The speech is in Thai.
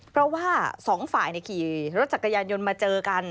เพราะว่าสองฝ่ายขี่รถจักรยานยนต์มาเจอกัน